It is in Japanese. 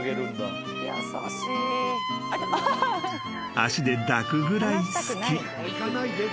［脚で抱くぐらい好き］